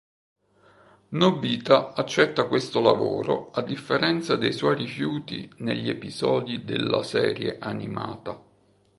Nobita accetta questo lavoro a differenza dei suoi rifiuti negli episodi della serie animata.